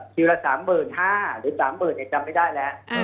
คิวละ๓๕๐๐๐หรือ๓๐๐๐๐ยังจำไม่ได้แล้ว